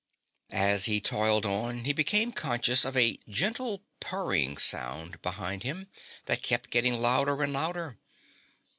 As he toiled on, he became conscious of a gentle purring sound behind him that kept getting louder and louder.